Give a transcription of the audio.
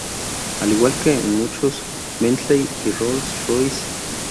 Al igual que en muchos Bentley y Rolls-Royce.